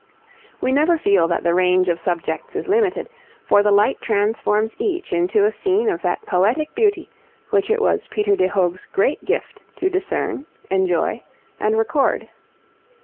We never feel that the range of subjects is limited, for the light transforms each into a scene of that poetic beauty which it was Peter de Hoogh's great gift to discern, enjoy, and record.